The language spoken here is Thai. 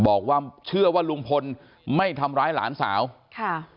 บอกว่าเชื่อว่าลุงพลไม่ทำร้ายหลานสาวค่ะ